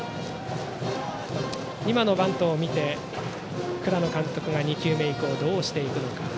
今のバントを見て倉野監督が２球目以降どうしていくのか。